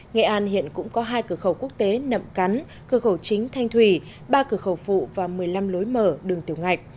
nghệ an hiện cũng có hai cửa khẩu quốc tế nậm cắn cửa khẩu chính thanh thủy ba cửa khẩu phụ và một mươi năm lối mở đường tiểu ngạch